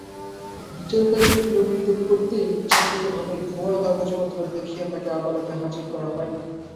বিচারকার্য বিলম্বিত করতেই ইচ্ছাকৃতভাবে ভুয়া কাগজপত্র দেখিয়ে তাঁকে আদালতে হাজির করা হয়নি।